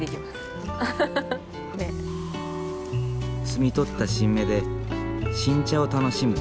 摘み取った新芽で新茶を楽しむ。